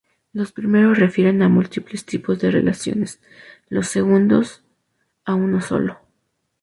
Los primeros refieren a múltiples tipos de relaciones, los segundos, a uno solo.